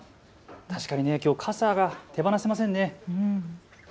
確かにきょう傘が手放せませんね。